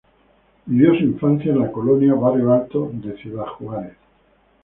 Vivió su infancia en la colonia Barrio Alto de Ciudad Juárez.